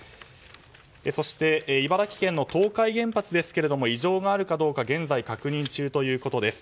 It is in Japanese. そして茨城県の東海原発ですが異常があるかどうか現在確認中ということです。